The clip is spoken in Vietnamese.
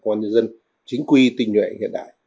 công an nhân dân chính quy tình nguyện hiện đại